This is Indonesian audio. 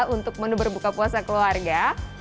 untuk menu berbuka puasa keluarga